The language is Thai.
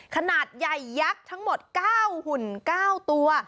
ขนาดใหญ่ยักษ์ทั้งหมด๙หุ่น๙ตัว